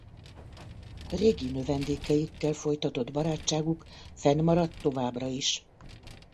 Régi növendékeikkel folytatott barátságuk fennmaradt továbbra is.